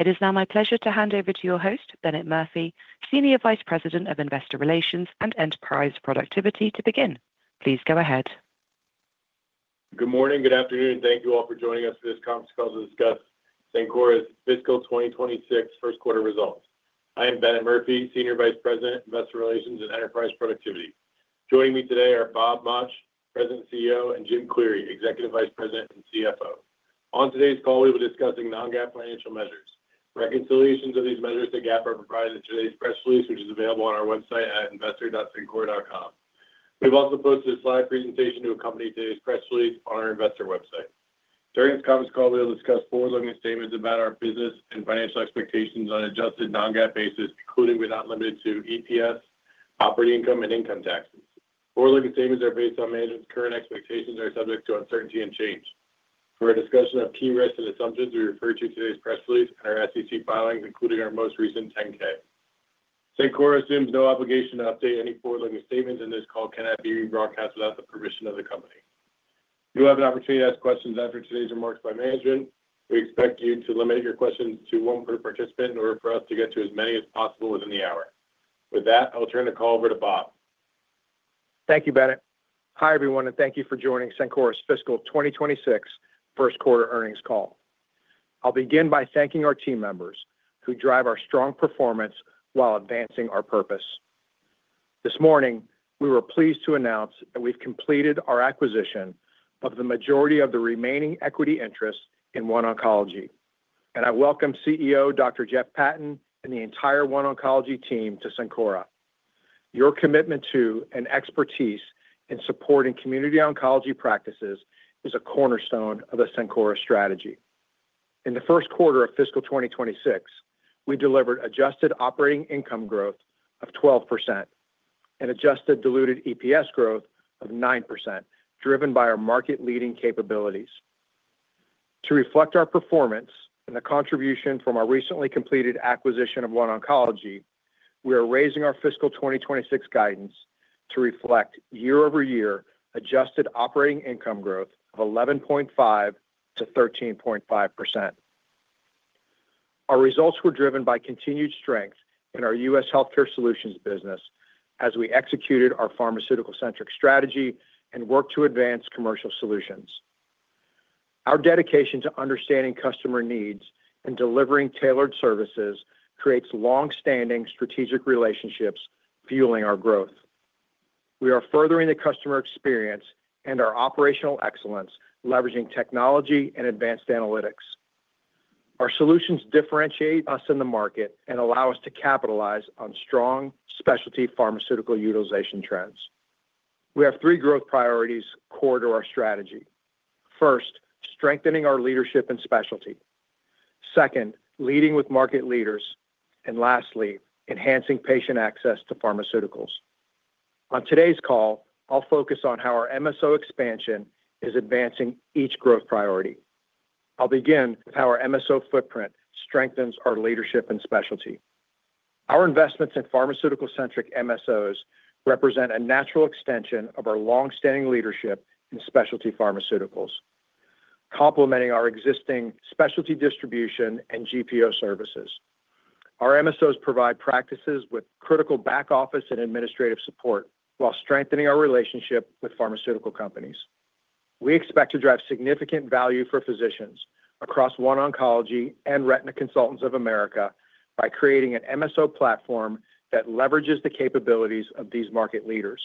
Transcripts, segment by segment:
It is now my pleasure to hand over to your host, Bennett Murphy, Senior Vice President of Investor Relations and Enterprise Productivity, to begin. Please go ahead. Good morning, good afternoon, and thank you all for joining us for this conference call to discuss Cencora's fiscal 2026 first quarter results. I am Bennett Murphy, Senior Vice President, Investor Relations and Enterprise Productivity. Joining me today are Bob Mauch, President and CEO, and Jim Cleary, Executive Vice President and CFO. On today's call, we'll be discussing non-GAAP financial measures. Reconciliations of these measures to GAAP are provided in today's press release, which is available on our website at investor.cencora.com. We've also posted a slide presentation to accompany today's press release on our investor website. During this conference call, we'll discuss forward-looking statements about our business and financial expectations on an adjusted non-GAAP basis, including, without limit to EPS, operating income, and income taxes. Forward-looking statements are based on management's current expectations and are subject to uncertainty and change. For a discussion of key risks and assumptions, we refer you to today's press release and our SEC filings, including our most recent 10-K. Cencora assumes no obligation to update any forward-looking statements, and this call cannot be rebroadcast without the permission of the company. You'll have an opportunity to ask questions after today's remarks by management. We expect you to limit your questions to one per participant in order for us to get to as many as possible within the hour. With that, I'll turn the call over to Bob. Thank you, Bennett. Hi, everyone, and thank you for joining Cencora's fiscal 2026 first quarter earnings call. I'll begin by thanking our team members who drive our strong performance while advancing our purpose. This morning, we were pleased to announce that we've completed our acquisition of the majority of the remaining equity interest in OneOncology, and I welcome CEO Dr. Jeff Patton and the entire OneOncology team to Cencora. Your commitment to and expertise in supporting community oncology practices is a cornerstone of the Cencora strategy. In the first quarter of fiscal 2026, we delivered adjusted operating income growth of 12% and adjusted diluted EPS growth of 9%, driven by our market-leading capabilities. To reflect our performance and the contribution from our recently completed acquisition of OneOncology, we are raising our fiscal 2026 guidance to reflect year-over-year adjusted operating income growth of 11.5%-13.5%. Our results were driven by continued strength in our U.S. Healthcare Solutions business as we executed our pharmaceutical-centric strategy and worked to advance commercial solutions. Our dedication to understanding customer needs and delivering tailored services creates long-standing strategic relationships, fueling our growth. We are furthering the customer experience and our operational excellence, leveraging technology and advanced analytics. Our solutions differentiate us in the market and allow us to capitalize on strong specialty pharmaceutical utilization trends. We have three growth priorities core to our strategy. First, strengthening our leadership and specialty. Second, leading with market leaders. And lastly, enhancing patient access to pharmaceuticals. On today's call, I'll focus on how our MSO expansion is advancing each growth priority. I'll begin with how our MSO footprint strengthens our leadership and specialty. Our investments in pharmaceutical-centric MSOs represent a natural extension of our long-standing leadership in specialty pharmaceuticals, complementing our existing specialty distribution and GPO services. Our MSOs provide practices with critical back office and administrative support while strengthening our relationship with pharmaceutical companies. We expect to drive significant value for physicians across OneOncology and Retina Consultants of America by creating an MSO platform that leverages the capabilities of these market leaders.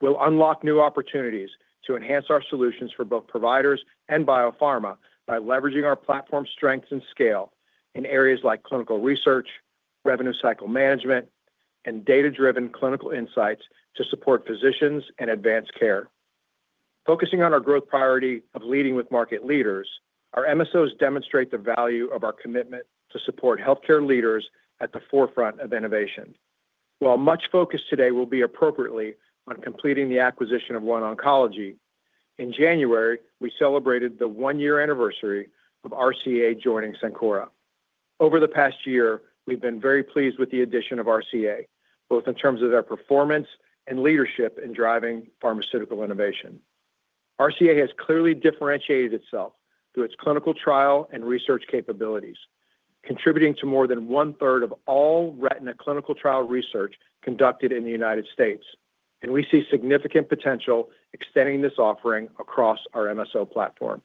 We'll unlock new opportunities to enhance our solutions for both providers and biopharma by leveraging our platform strengths and scale in areas like clinical research, revenue cycle management, and data-driven clinical insights to support physicians and advance care. Focusing on our growth priority of leading with market leaders, our MSOs demonstrate the value of our commitment to support healthcare leaders at the forefront of innovation. While much focus today will be appropriately on completing the acquisition of OneOncology, in January, we celebrated the one-year anniversary of RCA joining Cencora. Over the past year, we've been very pleased with the addition of RCA, both in terms of their performance and leadership in driving pharmaceutical innovation. RCA has clearly differentiated itself through its clinical trial and research capabilities, contributing to more than one-third of all retina clinical trial research conducted in the United States, and we see significant potential extending this offering across our MSO platform.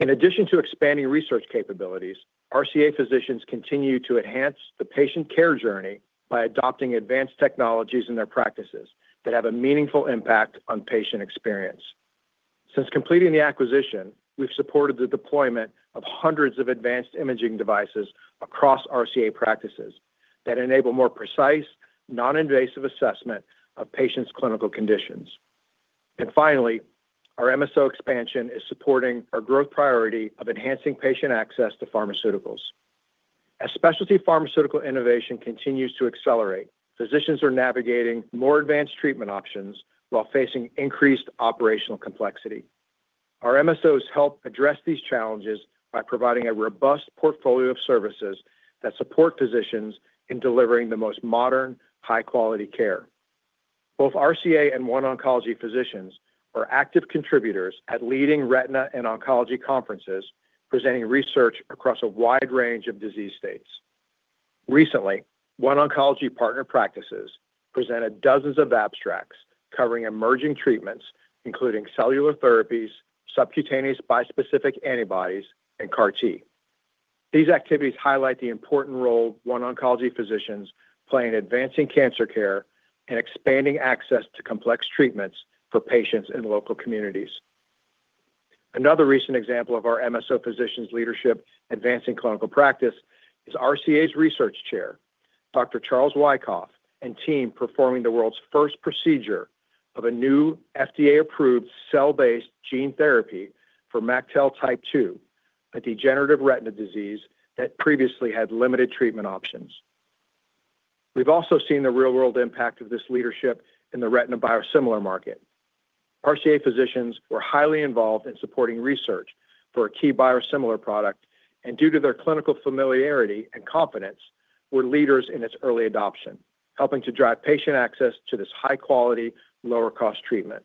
In addition to expanding research capabilities, RCA physicians continue to enhance the patient care journey by adopting advanced technologies in their practices that have a meaningful impact on patient experience. Since completing the acquisition, we've supported the deployment of hundreds of advanced imaging devices across RCA practices that enable more precise, non-invasive assessment of patients' clinical conditions. Finally, our MSO expansion is supporting our growth priority of enhancing patient access to Pharmaceuticals. As specialty pharmaceutical innovation continues to accelerate, physicians are navigating more advanced treatment options while facing increased operational complexity. Our MSOs help address these challenges by providing a robust portfolio of services that support physicians in delivering the most modern, high-quality care.... Both RCA and OneOncology physicians are active contributors at leading retina and oncology conferences, presenting research across a wide range of disease states. Recently, OneOncology partner practices presented dozens of abstracts covering emerging treatments, including cellular therapies, subcutaneous bispecific antibodies, and CAR T. These activities highlight the important role OneOncology physicians play in advancing cancer care and expanding access to complex treatments for patients in local communities. Another recent example of our MSO physicians' leadership advancing clinical practice is RCA's research chair, Dr. Charles Wyckoff, and team performing the world's first procedure of a new FDA-approved cell-based gene therapy for MacTel type 2, a degenerative retina disease that previously had limited treatment options. We've also seen the real-world impact of this leadership in the retina biosimilar market. RCA physicians were highly involved in supporting research for a key biosimilar product, and due to their clinical familiarity and confidence, were leaders in its early adoption, helping to drive patient access to this high-quality, lower-cost treatment.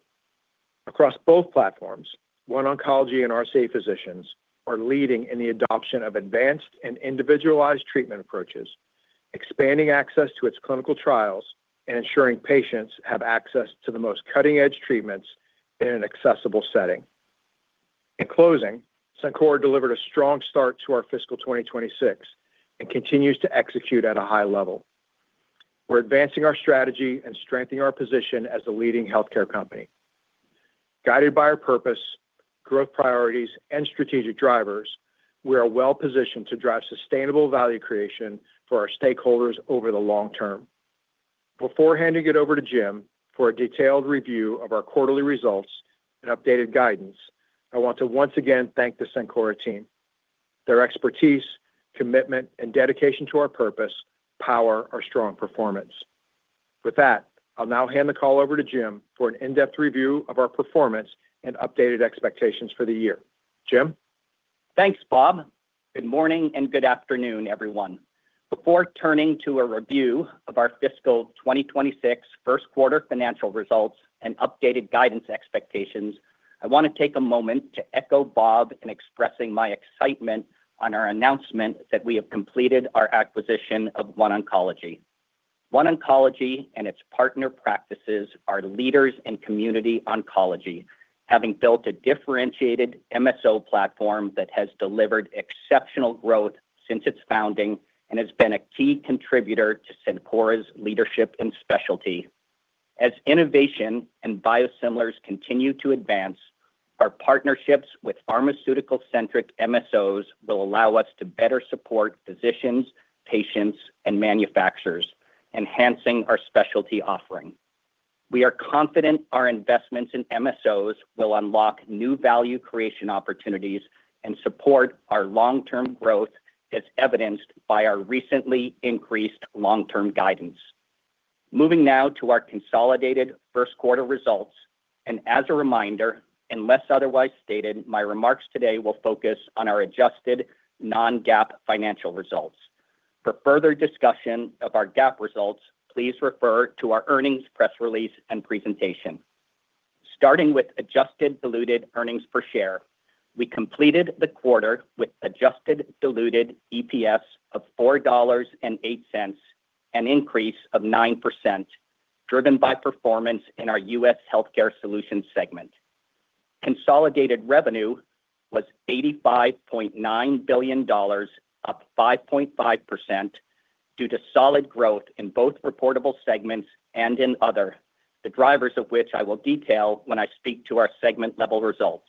Across both platforms, OneOncology and RCA physicians are leading in the adoption of advanced and individualized treatment approaches, expanding access to its clinical trials, and ensuring patients have access to the most cutting-edge treatments in an accessible setting. In closing, Cencora delivered a strong start to our fiscal 2026 and continues to execute at a high level. We're advancing our strategy and strengthening our position as a leading healthcare company. Guided by our purpose, growth priorities, and strategic drivers, we are well positioned to drive sustainable value creation for our stakeholders over the long term. Before handing it over to Jim for a detailed review of our quarterly results and updated guidance, I want to once again thank the Cencora team. Their expertise, commitment, and dedication to our purpose power our strong performance. With that, I'll now hand the call over to Jim for an in-depth review of our performance and updated expectations for the year. Jim? Thanks, Bob. Good morning and good afternoon, everyone. Before turning to a review of our fiscal 2026 first quarter financial results and updated guidance expectations, I want to take a moment to echo Bob in expressing my excitement on our announcement that we have completed our acquisition of OneOncology. OneOncology and its partner practices are leaders in community oncology, having built a differentiated MSO platform that has delivered exceptional growth since its founding and has been a key contributor to Cencora's leadership and specialty. As innovation and biosimilars continue to advance, our partnerships with pharmaceutical-centric MSOs will allow us to better support physicians, patients, and manufacturers, enhancing our specialty offering. We are confident our investments in MSOs will unlock new value creation opportunities and support our long-term growth, as evidenced by our recently increased long-term guidance. Moving now to our consolidated first quarter results, and as a reminder, unless otherwise stated, my remarks today will focus on our adjusted non-GAAP financial results. For further discussion of our GAAP results, please refer to our earnings press release and presentation. Starting with adjusted diluted earnings per share, we completed the quarter with adjusted diluted EPS of $4.08, an increase of 9%, driven by performance in our U.S. Healthcare Solutions segment. Consolidated revenue was $85.9 billion, up 5.5%, due to solid growth in both reportable segments and in other, the drivers of which I will detail when I speak to our segment-level results.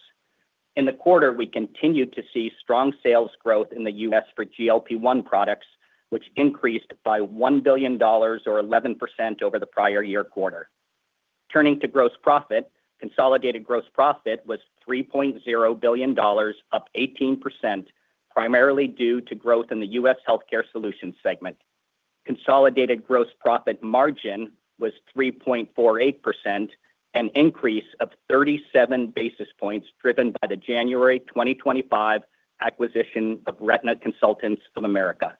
In the quarter, we continued to see strong sales growth in the U.S. for GLP-1 products, which increased by $1 billion or 11% over the prior year quarter. Turning to gross profit, consolidated gross profit was $3.0 billion, up 18%, primarily due to growth in the U.S. Healthcare Solutions segment. Consolidated gross profit margin was 3.48%, an increase of 37 basis points, driven by the January 2025 acquisition of Retina Consultants of America.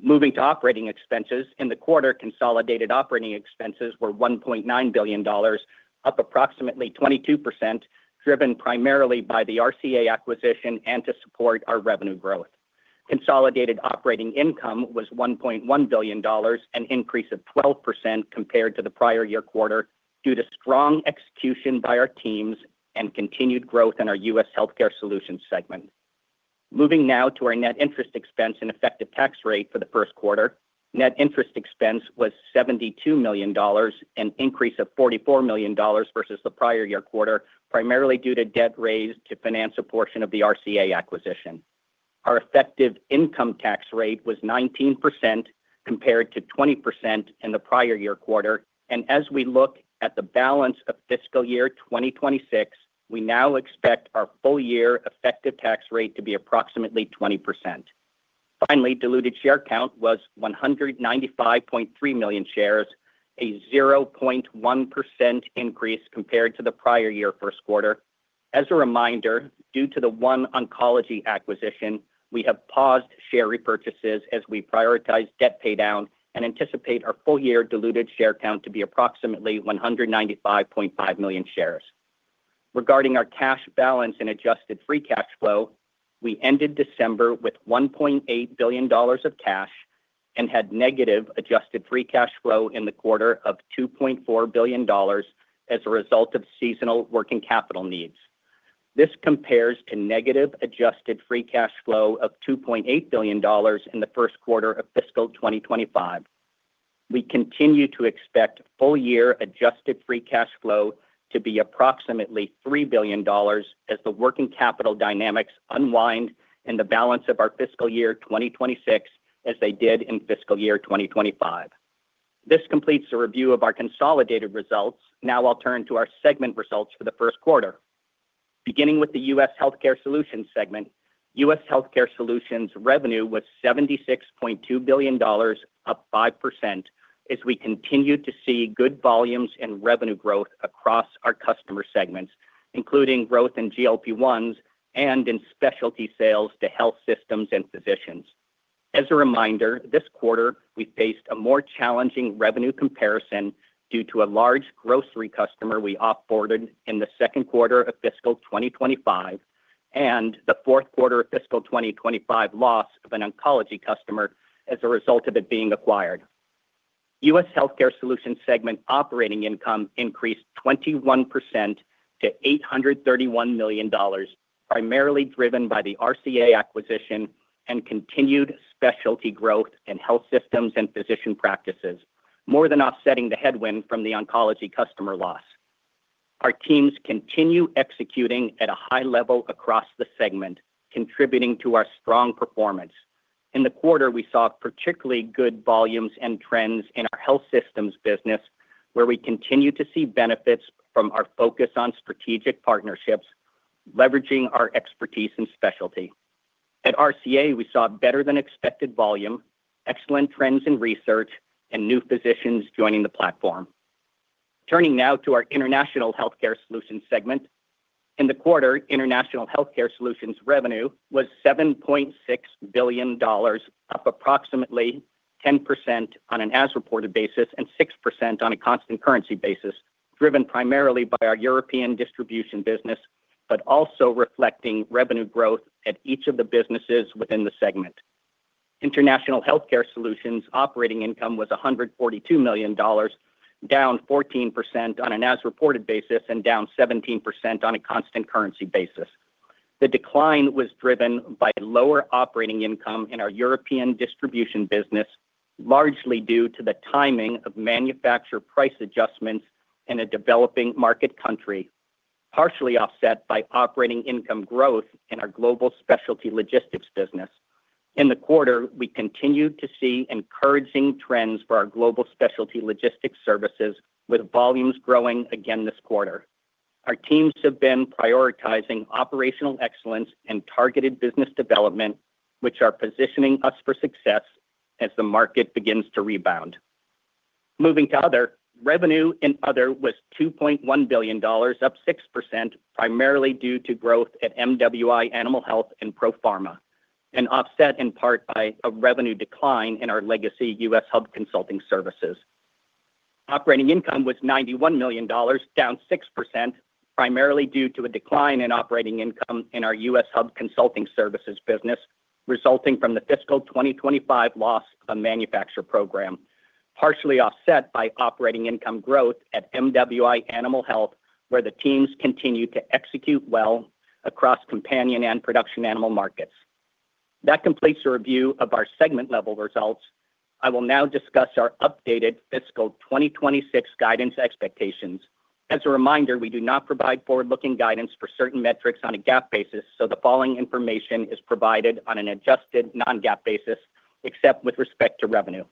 Moving to operating expenses, in the quarter, consolidated operating expenses were $1.9 billion, up approximately 22%, driven primarily by the RCA acquisition and to support our revenue growth. Consolidated operating income was $1.1 billion, an increase of 12% compared to the prior year quarter, due to strong execution by our teams and continued growth in our U.S. Healthcare Solutions segment. Moving now to our net interest expense and effective tax rate for the first quarter. Net interest expense was $72 million, an increase of $44 million versus the prior year quarter, primarily due to debt raised to finance a portion of the RCA acquisition. Our effective income tax rate was 19%, compared to 20% in the prior year quarter. As we look at the balance of fiscal year 2026, we now expect our full year effective tax rate to be approximately 20%. Finally, diluted share count was 195.3 million shares, a 0.1% increase compared to the prior year first quarter. As a reminder, due to the OneOncology acquisition, we have paused share repurchases as we prioritize debt paydown and anticipate our full year diluted share count to be approximately 195.5 million shares. Regarding our cash balance and adjusted free cash flow, we ended December with $1.8 billion of cash and had negative adjusted free cash flow in the quarter of $2.4 billion as a result of seasonal working capital needs. This compares to negative adjusted free cash flow of $2.8 billion in the first quarter of fiscal 2025. We continue to expect full year adjusted free cash flow to be approximately $3 billion as the working capital dynamics unwind in the balance of our fiscal year 2026, as they did in fiscal year 2025. This completes a review of our consolidated results. Now I'll turn to our segment results for the first quarter. Beginning with the U.S. Healthcare Solutions segment, U.S. Healthcare Solutions revenue was $76.2 billion, up 5%, as we continued to see good volumes and revenue growth across our customer segments, including growth in GLP-1s and in specialty sales to health systems and physicians. As a reminder, this quarter, we faced a more challenging revenue comparison due to a large grocery customer we off-boarded in the second quarter of fiscal 2025, and the fourth quarter of fiscal 2025 loss of an oncology customer as a result of it being acquired. U.S. Healthcare Solutions segment operating income increased 21% to $831 million, primarily driven by the RCA acquisition and continued specialty growth in health systems and physician practices, more than offsetting the headwind from the oncology customer loss. Our teams continue executing at a high level across the segment, contributing to our strong performance. In the quarter, we saw particularly good volumes and trends in our health systems business, where we continue to see benefits from our focus on strategic partnerships, leveraging our expertise and specialty. At RCA, we saw better-than-expected volume, excellent trends in research, and new physicians joining the platform. Turning now to our International Healthcare Solutions segment. In the quarter, International Healthcare Solutions revenue was $7.6 billion, up approximately 10% on an as-reported basis and 6% on a constant currency basis, driven primarily by our European distribution business, but also reflecting revenue growth at each of the businesses within the segment. International Healthcare Solutions operating income was $142 million, down 14% on an as-reported basis and down 17% on a constant currency basis. The decline was driven by lower operating income in our European distribution business, largely due to the timing of manufacturer price adjustments in a developing market country, partially offset by operating income growth in our global specialty logistics business. In the quarter, we continued to see encouraging trends for our global specialty logistics services, with volumes growing again this quarter. Our teams have been prioritizing operational excellence and targeted business development, which are positioning us for success as the market begins to rebound. Moving to Other, revenue in Other was $2.1 billion, up 6%, primarily due to growth at MWI Animal Health and ProFarma, and offset in part by a revenue decline in our legacy U.S. hub consulting services. Operating income was $91 million, down 6%, primarily due to a decline in operating income in our U.S. hub consulting services business, resulting from the fiscal 2025 loss on manufacturer program, partially offset by operating income growth at MWI Animal Health, where the teams continue to execute well across companion and production animal markets. That completes a review of our segment-level results. I will now discuss our updated fiscal 2026 guidance expectations. As a reminder, we do not provide forward-looking guidance for certain metrics on a GAAP basis, so the following information is provided on an adjusted non-GAAP basis, except with respect to revenue.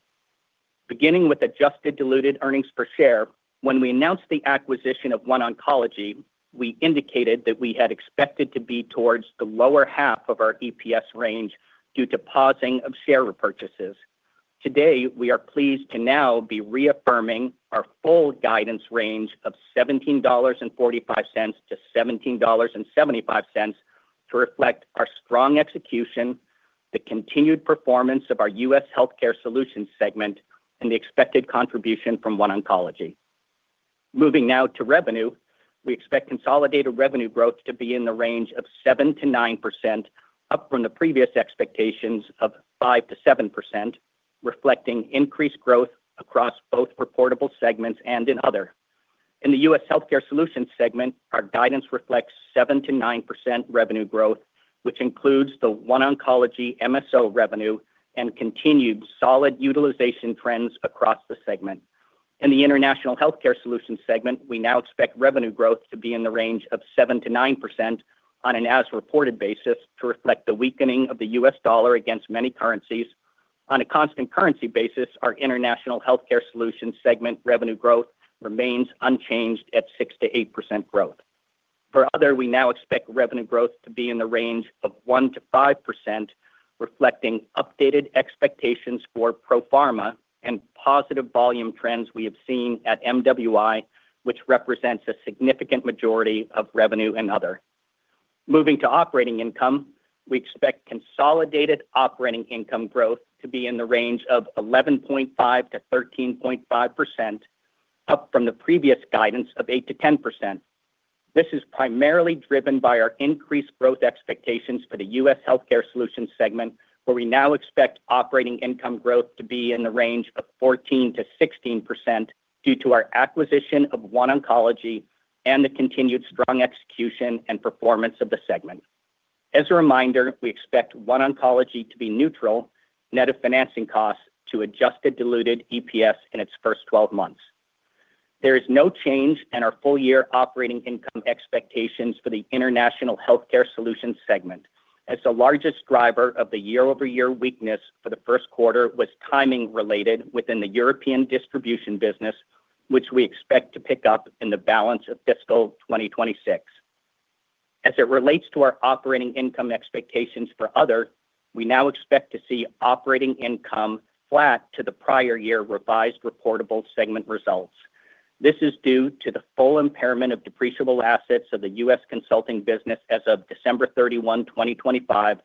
Beginning with adjusted diluted earnings per share, when we announced the acquisition of OneOncology, we indicated that we had expected to be towards the lower half of our EPS range due to pausing of share repurchases. Today, we are pleased to now be reaffirming our full guidance range of $17.45-$17.75 to reflect our strong execution, the continued performance of our U.S. Healthcare Solutions segment, and the expected contribution from OneOncology. Moving now to revenue. We expect consolidated revenue growth to be in the range of 7%-9%, up from the previous expectations of 5%-7%, reflecting increased growth across both reportable segments and in other. In the U.S. Healthcare Solutions segment, our guidance reflects 7%-9% revenue growth, which includes the OneOncology MSO revenue and continued solid utilization trends across the segment. In the International Healthcare Solutions segment, we now expect revenue growth to be in the range of 7%-9% on an as-reported basis to reflect the weakening of the U.S. dollar against many currencies. On a constant currency basis, our International Healthcare Solutions segment revenue growth remains unchanged at 6%-8% growth. For other, we now expect revenue growth to be in the range of 1%-5%, reflecting updated expectations for pro forma and positive volume trends we have seen at MWI, which represents a significant majority of revenue and other. Moving to operating income, we expect consolidated operating income growth to be in the range of 11.5%-13.5%, up from the previous guidance of 8%-10%. This is primarily driven by our increased growth expectations for the U.S. Healthcare Solutions segment, where we now expect operating income growth to be in the range of 14%-16%, due to our acquisition of OneOncology and the continued strong execution and performance of the segment. As a reminder, we expect OneOncology to be neutral, net of financing costs, to adjusted diluted EPS in its first 12 months. There is no change in our full year operating income expectations for the International Healthcare Solutions segment, as the largest driver of the year-over-year weakness for the first quarter was timing related within the European distribution business, which we expect to pick up in the balance of fiscal 2026. As it relates to our operating income expectations for other, we now expect to see operating income flat to the prior year revised reportable segment results. This is due to the full impairment of depreciable assets of the US consulting business as of December 31, 2025,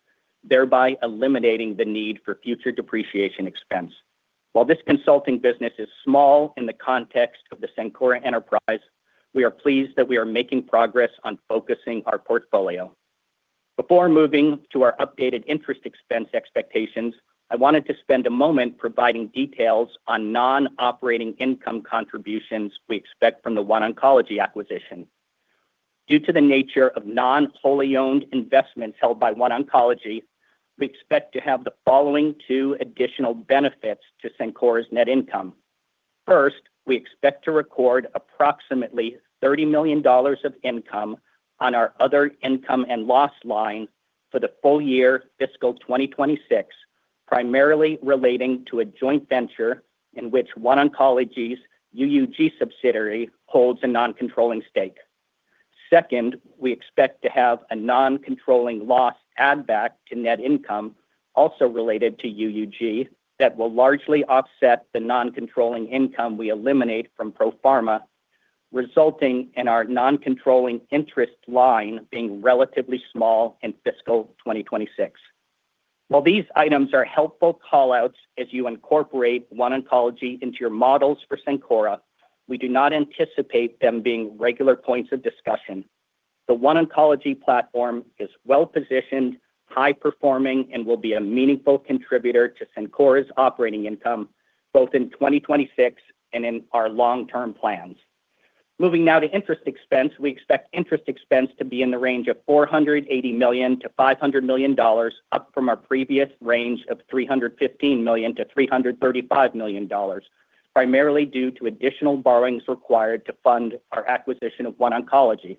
thereby eliminating the need for future depreciation expense. While this consulting business is small in the context of the Cencora enterprise, we are pleased that we are making progress on focusing our portfolio. Before moving to our updated interest expense expectations, I wanted to spend a moment providing details on non-operating income contributions we expect from the OneOncology acquisition. Due to the nature of non-wholly owned investments held by OneOncology, we expect to have the following two additional benefits to Cencora's net income. First, we expect to record approximately $30 million of income on our other income and loss line for the full year fiscal 2026, primarily relating to a joint venture in which OneOncology's UUG subsidiary holds a non-controlling stake. Second, we expect to have a non-controlling loss add back to net income, also related to UUG, that will largely offset the non-controlling income we eliminate from pro forma, resulting in our non-controlling interest line being relatively small in fiscal 2026. While these items are helpful call-outs as you incorporate OneOncology into your models for Cencora, we do not anticipate them being regular points of discussion. The OneOncology platform is well-positioned, high-performing, and will be a meaningful contributor to Cencora's operating income, both in 2026 and in our long-term plans. Moving now to interest expense. We expect interest expense to be in the range of $480 million-$500 million, up from our previous range of $315 million-$335 million, primarily due to additional borrowings required to fund our acquisition of OneOncology.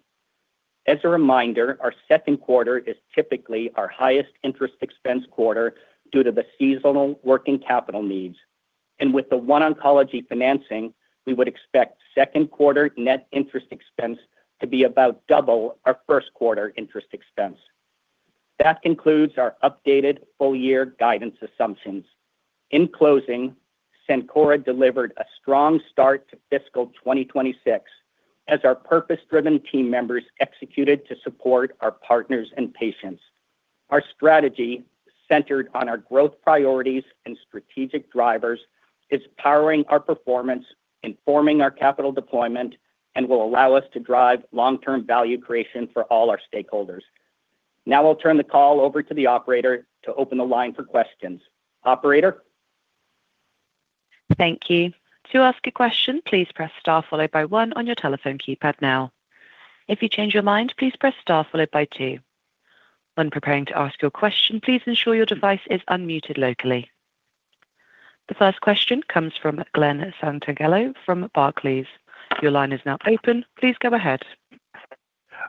As a reminder, our second quarter is typically our highest interest expense quarter due to the seasonal working capital needs. With the OneOncology financing, we would expect second quarter net interest expense to be about double our first quarter interest expense. That concludes our updated full year guidance assumptions. In closing, Cencora delivered a strong start to fiscal 2026 as our purpose-driven team members executed to support our partners and patients. Our strategy, centered on our growth priorities and strategic drivers, is powering our performance, informing our capital deployment, and will allow us to drive long-term value creation for all our stakeholders. Now I'll turn the call over to the operator to open the line for questions. Operator? Thank you. To ask a question, please press Star followed by one on your telephone keypad now. If you change your mind, please press Star followed by two. When preparing to ask your question, please ensure your device is unmuted locally. The first question comes from Glenn Santangelo from Barclays. Your line is now open. Please go ahead.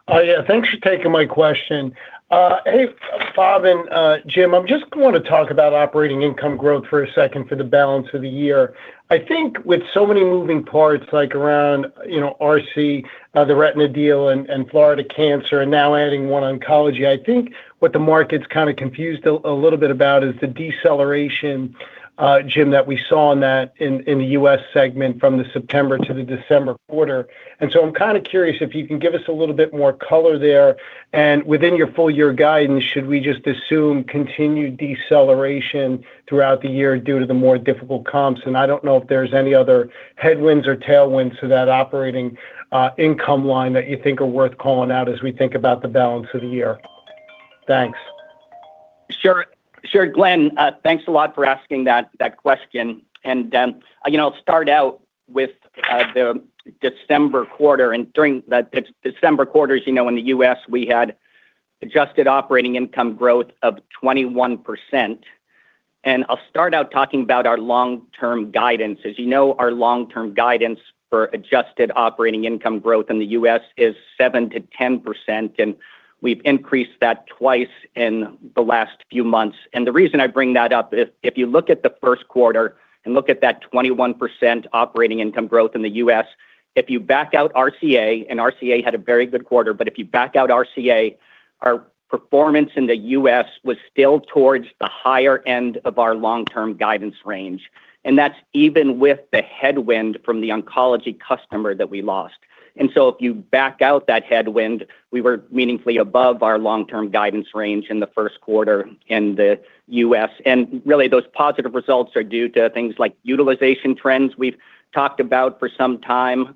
Yeah, thanks for taking my question. Hey, Bob and Jim, I'm just gonna talk about operating income growth for a second for the balance of the year. I think with so many moving parts, like around, you know, RC, the Retina deal and Florida Cancer, and now adding OneOncology, I think what the market's kind of confused a little bit about is the deceleration, Jim, that we saw in the US segment from the September to the December quarter. And so I'm kinda curious if you can give us a little bit more color there. And within your full year guidance, should we just assume continued deceleration throughout the year due to the more difficult comps? I don't know if there's any other headwinds or tailwinds to that operating income line that you think are worth calling out as we think about the balance of the year. Thanks. Sure. Sure, Glenn, thanks a lot for asking that, that question. You know, I'll start out with the December quarter. And during the December quarters, you know, in the U.S., we had adjusted operating income growth of 21%. And I'll start out talking about our long-term guidance. As you know, our long-term guidance for adjusted operating income growth in the U.S. is 7%-10%, and we've increased that twice in the last few months. And the reason I bring that up is, if you look at the first quarter and look at that 21% operating income growth in the U.S.... If you back out RCA, and RCA had a very good quarter, but if you back out RCA, our performance in the U.S. was still towards the higher end of our long-term guidance range, and that's even with the headwind from the oncology customer that we lost. And so if you back out that headwind, we were meaningfully above our long-term guidance range in the first quarter in the U.S. And really, those positive results are due to things like utilization trends we've talked about for some time,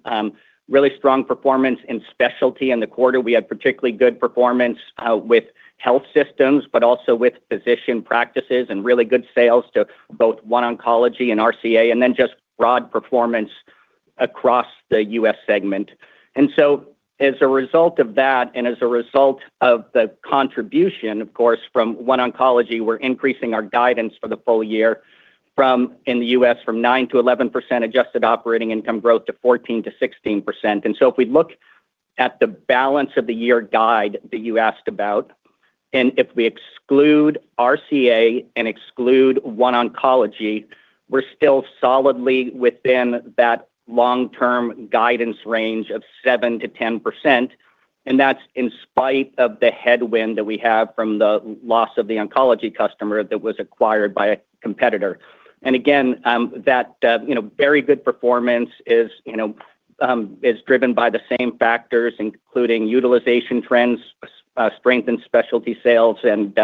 really strong performance in specialty in the quarter. We had particularly good performance, with health systems, but also with physician practices, and really good sales to both OneOncology and RCA, and then just broad performance across the U.S. segment. And so, as a result of that, and as a result of the contribution, of course, from OneOncology, we're increasing our guidance for the full year from, in the US, from 9%-11%, adjusted operating income growth to 14%-16%. And so if we look at the balance of the year guide that you asked about, and if we exclude RCA and exclude OneOncology, we're still solidly within that long-term guidance range of 7%-10%, and that's in spite of the headwind that we have from the loss of the oncology customer that was acquired by a competitor. And again, that, you know, very good performance is, you know, is driven by the same factors, including utilization trends, strength and specialty sales, and,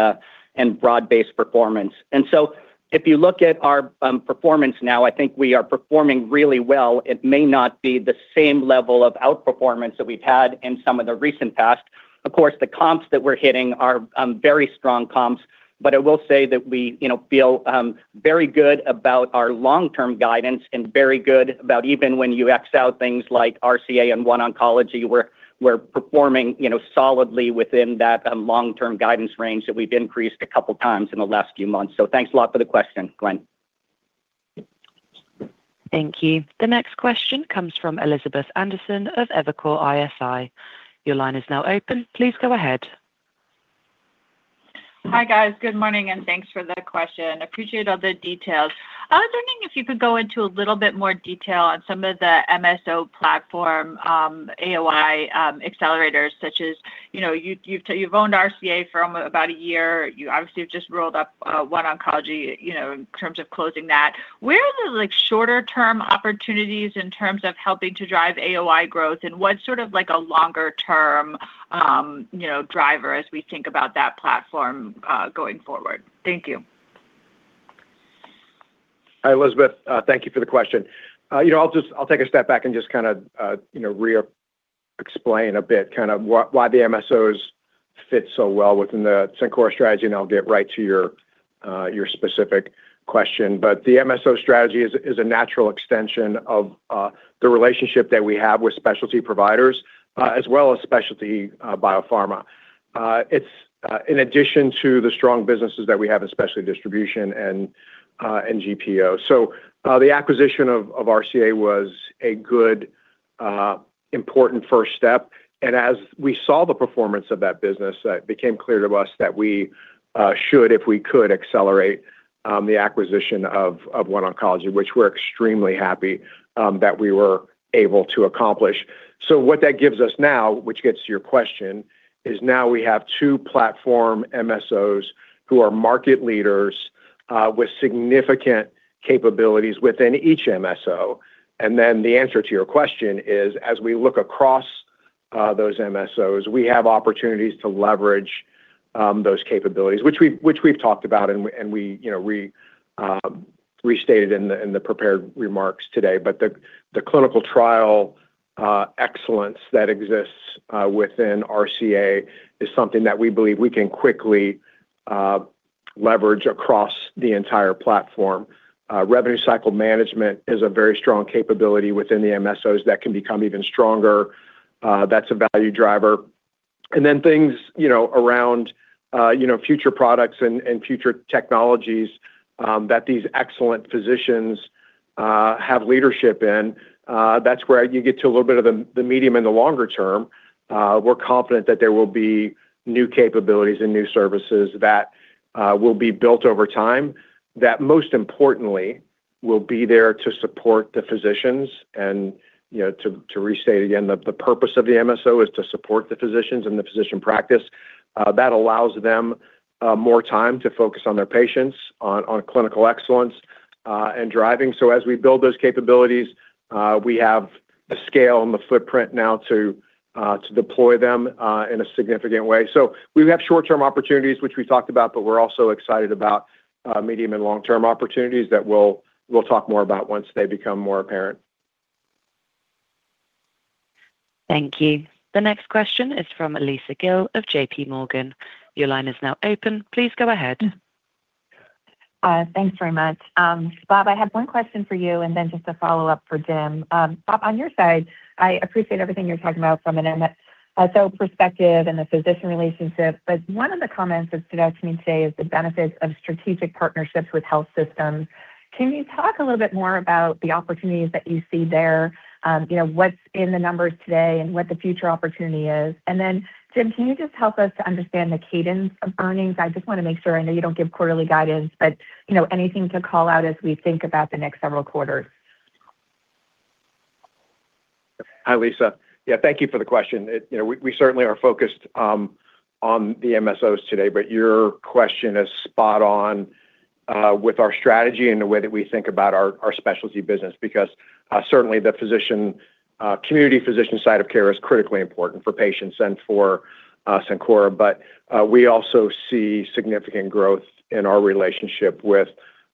and broad-based performance. And so if you look at our performance now, I think we are performing really well. It may not be the same level of outperformance that we've had in some of the recent past. Of course, the comps that we're hitting are very strong comps, but I will say that we, you know, feel very good about our long-term guidance and very good about even when you X out things like RCA and OneOncology, we're performing, you know, solidly within that long-term guidance range that we've increased a couple times in the last few months. So thanks a lot for the question, Glenn. Thank you. The next question comes from Elizabeth Anderson of Evercore ISI. Your line is now open. Please go ahead. Hi, guys. Good morning, and thanks for the question. Appreciate all the details. I was wondering if you could go into a little bit more detail on some of the MSO platform, AOI accelerators, such as, you know, you've owned RCA for about a year. You obviously have just rolled up OneOncology, you know, in terms of closing that. Where are the, like, shorter term opportunities in terms of helping to drive AOI growth, and what sort of like a longer term, you know, driver as we think about that platform going forward? Thank you. Hi, Elizabeth. Thank you for the question. You know, I'll take a step back and just kinda, you know, re-explain a bit, kind of why, why the MSOs fit so well within the Cencora strategy, and I'll get right to your specific question. But the MSO strategy is a natural extension of the relationship that we have with specialty providers as well as specialty biopharma. It's in addition to the strong businesses that we have in specialty distribution and GPO. So, the acquisition of RCA was a good, important first step, and as we saw the performance of that business, it became clear to us that we should, if we could, accelerate the acquisition of OneOncology, which we're extremely happy that we were able to accomplish. So what that gives us now, which gets to your question, is now we have two platform MSOs who are market leaders, with significant capabilities within each MSO. And then the answer to your question is, as we look across, those MSOs, we have opportunities to leverage, those capabilities, which we've talked about, and we, you know, we restated in the prepared remarks today. But the clinical trial excellence that exists within RCA is something that we believe we can quickly leverage across the entire platform. Revenue Cycle Management is a very strong capability within the MSOs that can become even stronger. That's a value driver. Then things, you know, around future products and future technologies that these excellent physicians have leadership in, that's where you get to a little bit of the medium and the longer term. We're confident that there will be new capabilities and new services that will be built over time, that most importantly, will be there to support the physicians. And, you know, to restate again, the purpose of the MSO is to support the physicians and the physician practice. That allows them more time to focus on their patients, on clinical excellence, and driving. So as we build those capabilities, we have the scale and the footprint now to deploy them in a significant way. So we have short-term opportunities, which we talked about, but we're also excited about medium and long-term opportunities that we'll talk more about once they become more apparent. Thank you. The next question is from Lisa Gill of J.P. Morgan. Your line is now open. Please go ahead. Thanks very much. Bob, I had one question for you, and then just a follow-up for Jim. Bob, on your side, I appreciate everything you're talking about from an MSO perspective and the physician relationship, but one of the comments that stood out to me today is the benefits of strategic partnerships with health systems. Can you talk a little bit more about the opportunities that you see there? You know, what's in the numbers today and what the future opportunity is? And then, Jim, can you just help us to understand the cadence of earnings? I just want to make sure, I know you don't give quarterly guidance, but, you know, anything to call out as we think about the next several quarters?... Hi, Lisa. Yeah, thank you for the question. It, you know, we, we certainly are focused on the MSOs today, but your question is spot on with our strategy and the way that we think about our, our specialty business. Because certainly the physician community physician side of care is critically important for patients and for Cencora. But we also see significant growth in our relationship with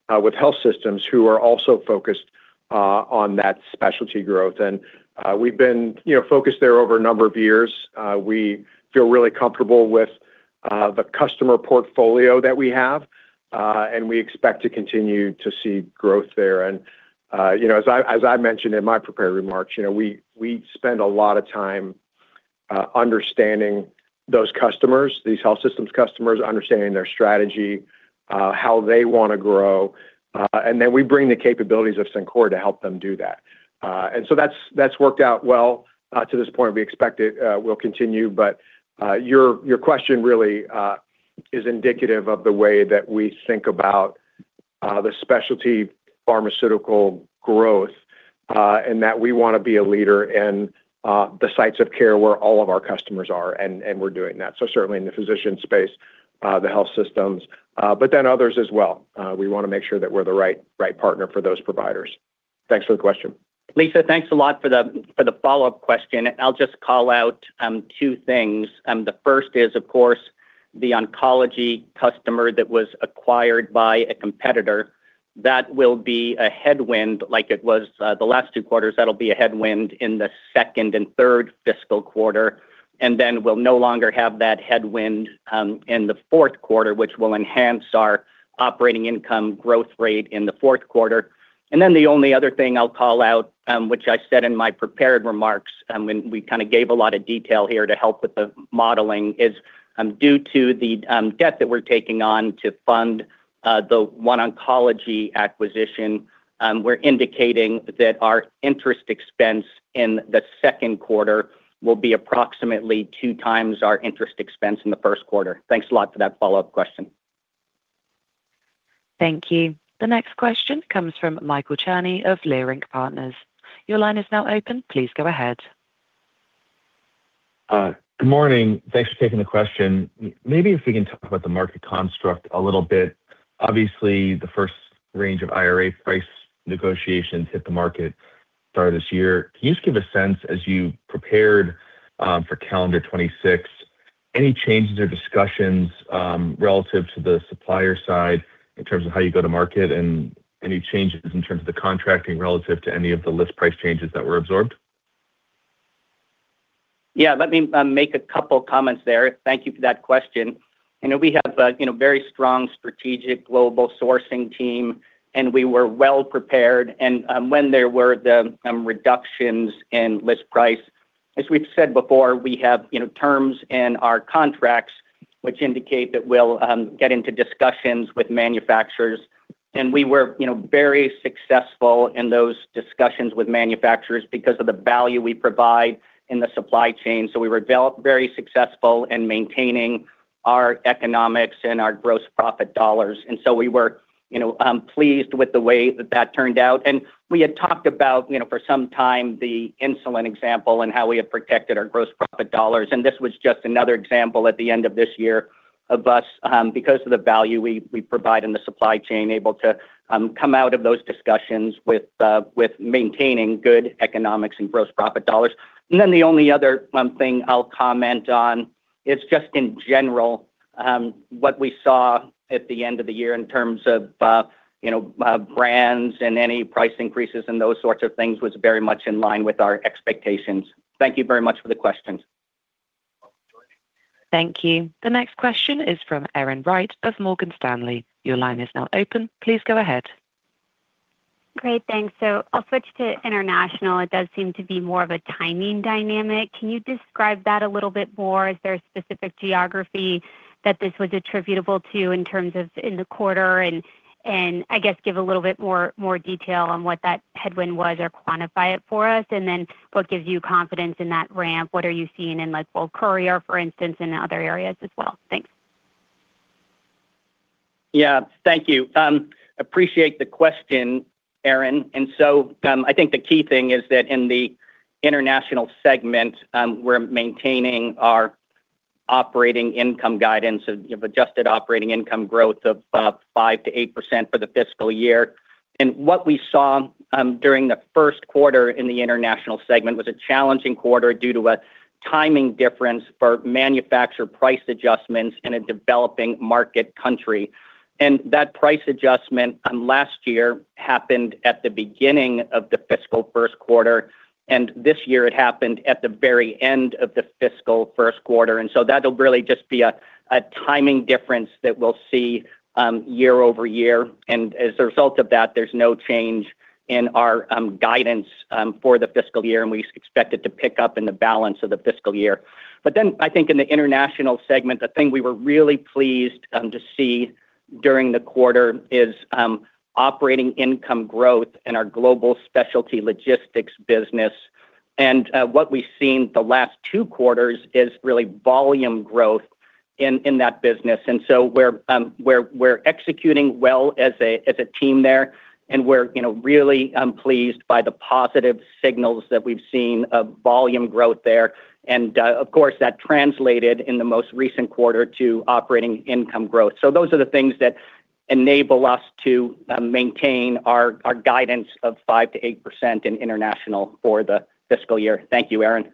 with health systems who are also focused on that specialty growth. And we've been, you know, focused there over a number of years. We feel really comfortable with the customer portfolio that we have and we expect to continue to see growth there. You know, as I mentioned in my prepared remarks, you know, we spend a lot of time understanding those customers, these health systems customers, understanding their strategy, how they wanna grow, and then we bring the capabilities of Cencora to help them do that. So that's worked out well to this point. We expect it will continue. But your question really is indicative of the way that we think about the specialty pharmaceutical growth, and that we wanna be a leader in the sites of care where all of our customers are, and we're doing that. So certainly in the physician space, the health systems, but then others as well. We wanna make sure that we're the right partner for those providers. Thanks for the question. Lisa, thanks a lot for the follow-up question. I'll just call out two things. The first is, of course, the oncology customer that was acquired by a competitor. That will be a headwind like it was the last two quarters. That'll be a headwind in the second and third fiscal quarter, and then we'll no longer have that headwind in the fourth quarter, which will enhance our operating income growth rate in the fourth quarter. And then the only other thing I'll call out, which I said in my prepared remarks, and we kinda gave a lot of detail here to help with the modeling, is, due to the debt that we're taking on to fund the OneOncology acquisition, we're indicating that our interest expense in the second quarter will be approximately two times our interest expense in the first quarter. Thanks a lot for that follow-up question. Thank you. The next question comes from Michael Cherney of Leerink Partners. Your line is now open. Please go ahead. Good morning. Thanks for taking the question. Maybe if we can talk about the market construct a little bit. Obviously, the first range of IRA price negotiations hit the market start of this year. Can you just give a sense, as you prepared, for calendar 2026, any changes or discussions, relative to the supplier side in terms of how you go to market, and any changes in terms of the contracting relative to any of the list price changes that were absorbed? Yeah, let me make a couple comments there. Thank you for that question. You know, we have a, you know, very strong strategic global sourcing team, and we were well prepared. And when there were the reductions in list price, as we've said before, we have, you know, terms in our contracts which indicate that we'll get into discussions with manufacturers. And we were, you know, very successful in those discussions with manufacturers because of the value we provide in the supply chain. So we were very successful in maintaining our economics and our gross profit dollars, and so we were, you know, pleased with the way that that turned out. And we had talked about, you know, for some time, the insulin example and how we have protected our gross profit dollars, and this was just another example at the end of this year of us, because of the value we, we provide in the supply chain, able to come out of those discussions with, with maintaining good economics and gross profit dollars. And then the only other thing I'll comment on is just in general, what we saw at the end of the year in terms of, you know, brands and any price increases and those sorts of things, was very much in line with our expectations. Thank you very much for the questions. Thank you. The next question is from Erin Wright of Morgan Stanley. Your line is now open. Please go ahead. Great, thanks. So I'll switch to international. It does seem to be more of a timing dynamic. Can you describe that a little bit more? Is there a specific geography that this was attributable to in terms of the quarter? And I guess give a little bit more detail on what that headwind was or quantify it for us. And then what gives you confidence in that ramp? What are you seeing in like World Courier, for instance, and other areas as well? Thanks. Yeah. Thank you. Appreciate the question, Erin. And so, I think the key thing is that in the international segment, we're maintaining our operating income guidance of adjusted operating income growth of 5%-8% for the fiscal year. And what we saw during the first quarter in the international segment was a challenging quarter due to a timing difference for manufacturer price adjustments in a developing market country. And that price adjustment last year happened at the beginning of the fiscal first quarter, and this year it happened at the very end of the fiscal first quarter. And so that'll really just be a timing difference that we'll see year-over-year. As a result of that, there's no change in our guidance for the fiscal year, and we expect it to pick up in the balance of the fiscal year. But then I think in the international segment, the thing we were really pleased to see during the quarter is operating income growth in our global specialty logistics business. And what we've seen the last two quarters is really volume growth in that business. And so we're executing well as a team there, and we're, you know, really pleased by the positive signals that we've seen of volume growth there. And of course, that translated in the most recent quarter to operating income growth. Those are the things that enable us to maintain our guidance of 5%-8% in international for the fiscal year. Thank you, Erin.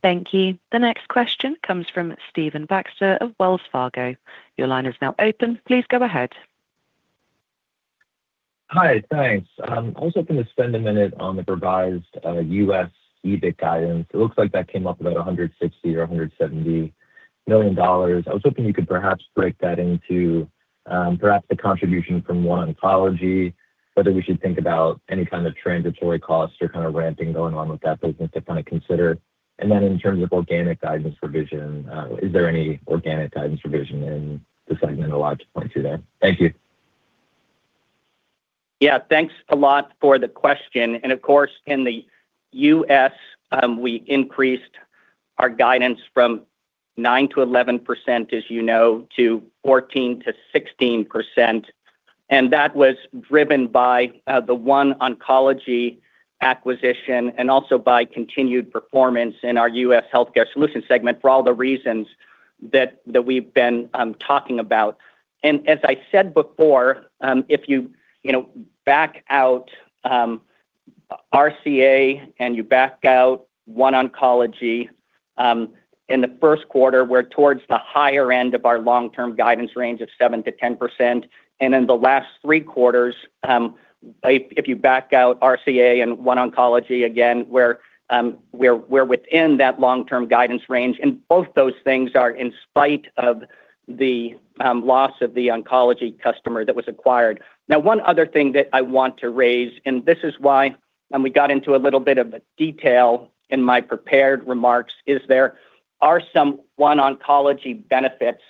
Thank you. The next question comes from Stephen Baxter of Wells Fargo. Your line is now open. Please go ahead. Hi, thanks. I was hoping to spend a minute on the revised US EBIT guidance. It looks like that came up about $160 million or $170 million. I was hoping you could perhaps break that into perhaps the contribution from OneOncology, whether we should think about any kind of transitory costs or kind of ramping going on with that business to kinda consider. And then in terms of organic guidance revision, is there any organic guidance revision in this segment a lot to point to there? Thank you. Yeah, thanks a lot for the question. And of course, in the U.S., we increased our guidance from 9%-11%, as you know, to 14%-16%, and that was driven by the OneOncology acquisition and also by continued performance in our U.S. Healthcare Solutions segment, for all the reasons that we've been talking about. And as I said before, if you, you know, back out RCA and you back out OneOncology in the first quarter, we're towards the higher end of our long-term guidance range of 7%-10%. And in the last three quarters, if you back out RCA and OneOncology again, we're within that long-term guidance range. And both those things are in spite of the loss of the oncology customer that was acquired. Now, one other thing that I want to raise, and this is why, and we got into a little bit of detail in my prepared remarks, is there are some OneOncology benefits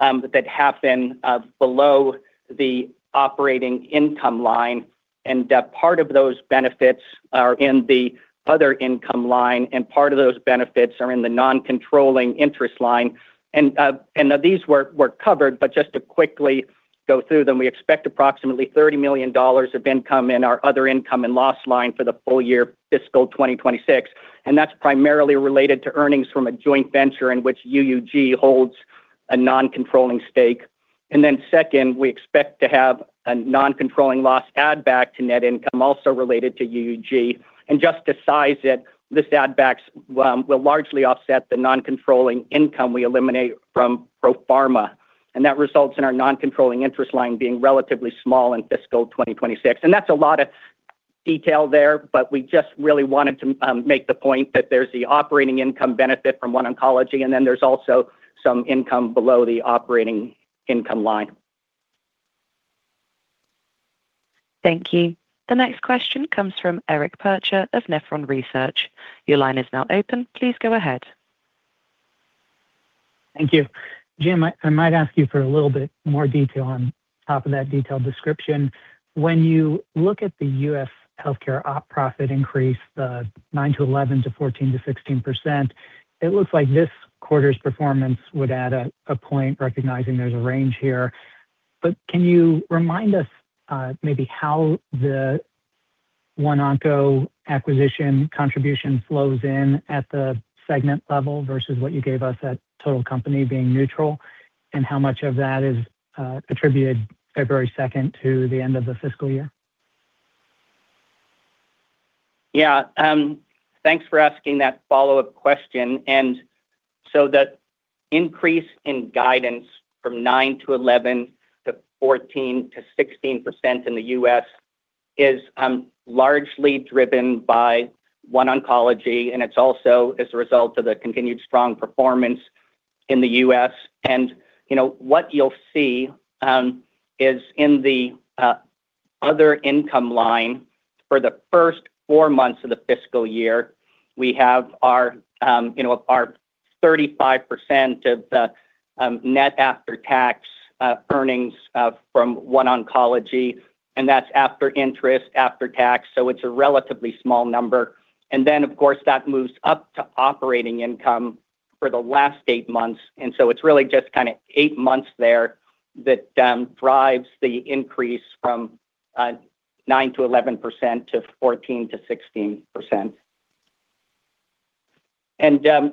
that happen below the operating income line, and part of those benefits are in the other income line, and part of those benefits are in the non-controlling interest line. And these were covered, but just to quickly go through them, we expect approximately $30 million of income in our other income and loss line for the full year, fiscal 2026, and that's primarily related to earnings from a joint venture in which UUG holds a non-controlling stake. And then second, we expect to have a non-controlling loss add back to net income, also related to UUG. Just to size it, this add backs will largely offset the non-controlling income we eliminate from ProPharma, and that results in our non-controlling interest line being relatively small in fiscal 2026. That's a lot of detail there, but we just really wanted to make the point that there's the operating income benefit from OneOncology, and then there's also some income below the operating income line. Thank you. The next question comes from Eric Percher of Nephron Research. Your line is now open. Please go ahead. Thank you. Jim, I might ask you for a little bit more detail on top of that detailed description. When you look at the U.S. healthcare op profit increase, the 9%-11% to 14%-16%, it looks like this quarter's performance would add a point, recognizing there's a range here. But can you remind us, maybe how the One Onco acquisition contribution flows in at the segment level versus what you gave us at total company being neutral, and how much of that is attributed February second to the end of the fiscal year? Yeah, thanks for asking that follow-up question. So the increase in guidance from 9%-11% to 14%-16% in the US is largely driven by OneOncology, and it's also as a result of the continued strong performance in the US. You know, what you'll see is in the other income line for the first four months of the fiscal year, we have, you know, our 35% of the net after tax earnings from OneOncology, and that's after interest, after tax, so it's a relatively small number. Then, of course, that moves up to operating income for the last eight months. So it's really just kinda eight months there that drives the increase from 9%-11% to 14%-16%.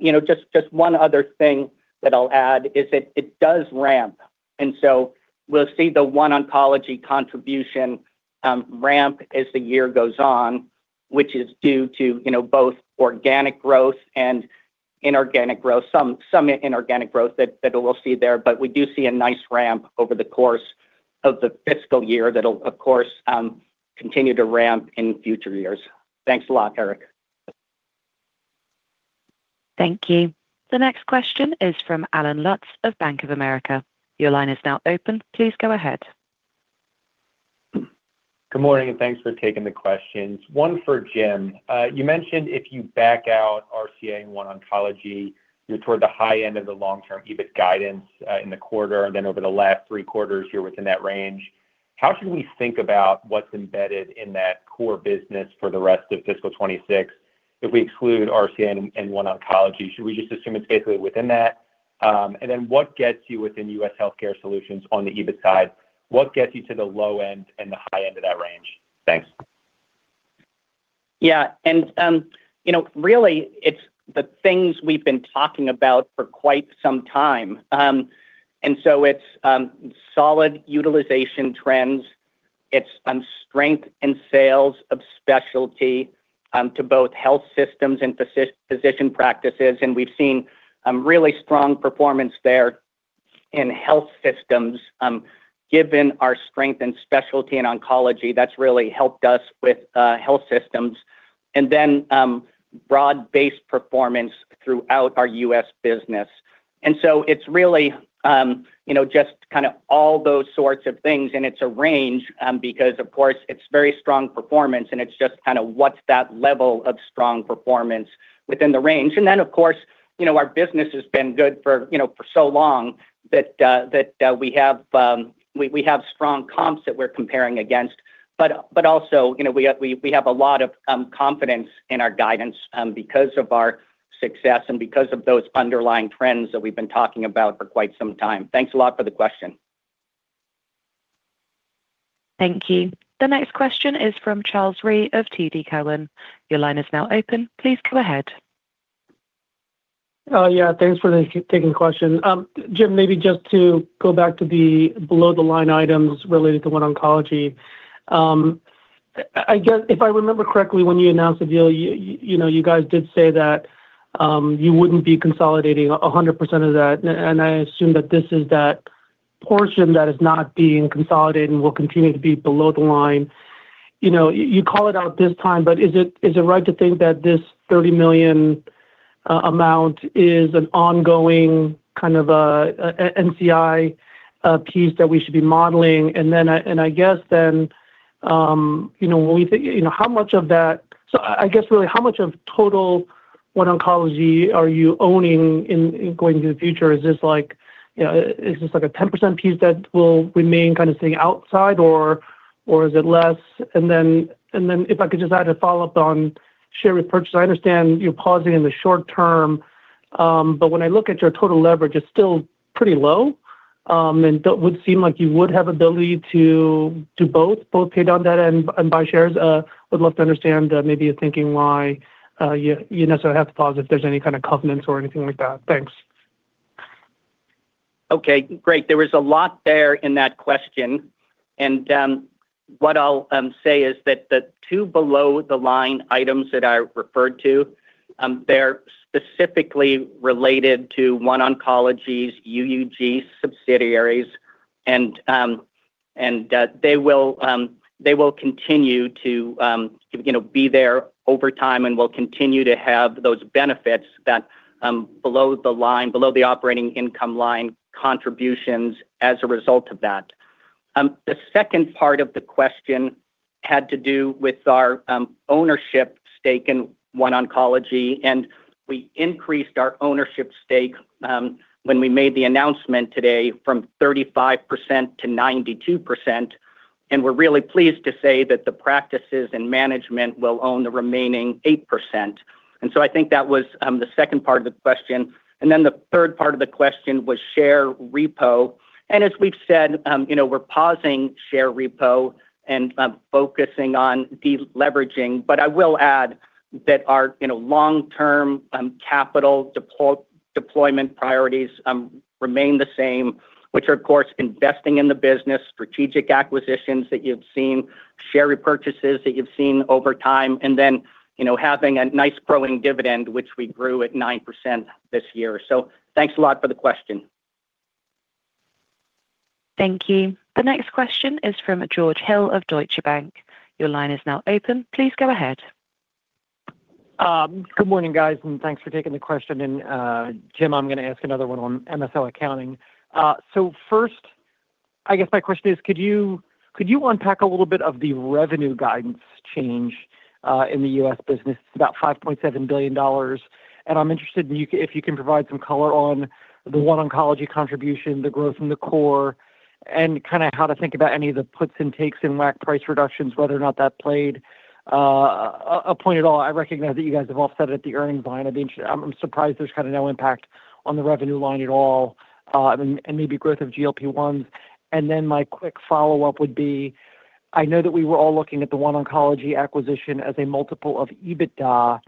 You know, just, just one other thing that I'll add is that it does ramp, and so we'll see the OneOncology contribution ramp as the year goes on, which is due to, you know, both organic growth and inorganic growth, some inorganic growth that we'll see there. But we do see a nice ramp over the course of the fiscal year that will, of course, continue to ramp in future years. Thanks a lot, Eric. Thank you. The next question is from Allen Lutz of Bank of America. Your line is now open. Please go ahead. Good morning, and thanks for taking the questions. One for Jim. You mentioned if you back out RCA and OneOncology, you're toward the high end of the long-term EBIT guidance in the quarter, and then over the last three quarters, you're within that range.... How should we think about what's embedded in that core business for the rest of fiscal 2026, if we exclude RCN and OneOncology? Should we just assume it's basically within that? And then what gets you within U.S. Healthcare Solutions on the EBIT side? What gets you to the low end and the high end of that range? Thanks. Yeah, and, you know, really, it's the things we've been talking about for quite some time. And so it's solid utilization trends. It's strength in sales of specialty to both health systems and physician practices, and we've seen really strong performance there in health systems. Given our strength in specialty and oncology, that's really helped us with health systems, and then broad-based performance throughout our U.S. business. And so it's really, you know, just kinda all those sorts of things, and it's a range because of course, it's very strong performance, and it's just kinda what's that level of strong performance within the range. And then, of course, you know, our business has been good for, you know, for so long that we have strong comps that we're comparing against. But also, you know, we have a lot of confidence in our guidance because of our success and because of those underlying trends that we've been talking about for quite some time. Thanks a lot for the question. Thank you. The next question is from Charles Rhee of TD Cowen. Your line is now open, please go ahead. Yeah, thanks for taking the question. Jim, maybe just to go back to the below-the-line items related to OneOncology. I guess if I remember correctly, when you announced the deal, you, you know, you guys did say that you wouldn't be consolidating 100% of that, and I assume that this is that portion that is not being consolidated and will continue to be below the line. You know, you call it out this time, but is it right to think that this $30 million amount is an ongoing kind of NCI piece that we should be modeling? And then I guess then, you know, when we think-- you know, how much of that... So I guess really how much of total OneOncology are you owning in going to the future? Is this like, you know, is this like a 10% piece that will remain kind of staying outside or is it less? And then if I could just add a follow-up on share repurchase. I understand you're pausing in the short term, but when I look at your total leverage, it's still pretty low. And that would seem like you would have ability to both pay down debt and buy shares. Would love to understand maybe you're thinking why you necessarily have to pause if there's any kind of covenants or anything like that. Thanks. Okay, great. There was a lot there in that question, and what I'll say is that the two below-the-line items that I referred to, they're specifically related to OneOncology's UUG subsidiaries, and they will continue to, you know, be there over time and will continue to have those benefits that below the line, below the operating income line contributions as a result of that. The second part of the question had to do with our ownership stake in OneOncology, and we increased our ownership stake when we made the announcement today from 35% to 92%, and we're really pleased to say that the practices and management will own the remaining 8%. And so I think that was the second part of the question. And then the third part of the question was share repo. And as we've said, you know, we're pausing share repo and, focusing on deleveraging. But I will add that our, you know, long-term, capital deployment priorities, remain the same, which are, of course, investing in the business, strategic acquisitions that you've seen, share repurchases that you've seen over time, and then, you know, having a nice growing dividend, which we grew at 9% this year. So thanks a lot for the question. Thank you. The next question is from George Hill of Deutsche Bank. Your line is now open. Please go ahead. Good morning, guys, and thanks for taking the question. And, Jim, I'm gonna ask another one on MSO accounting. So first, I guess my question is, could you, could you unpack a little bit of the revenue guidance change in the U.S. business? It's about $5.7 billion, and I'm interested if you, if you can provide some color on the OneOncology contribution, the growth in the core, and kinda how to think about any of the puts and takes in WAC price reductions, whether or not that played a point at all. I recognize that you guys have all said it at the earnings line. I'm surprised there's kinda no impact on the revenue line at all, and maybe growth of GLP-1s. Then my quick follow-up would be: I know that we were all looking at the OneOncology acquisition as a multiple of EBITDA.